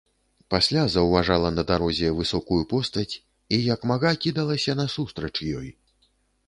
Пасля заўважала на дарозе высокую постаць і як мага кідалася насустрач ёй.